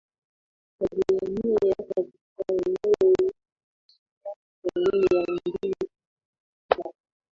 yalihamia katika eneo hilo miaka mia mbili iliyopita